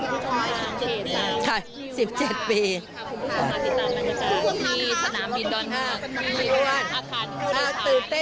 คุณผู้ชมมาติดตามกันกันกัน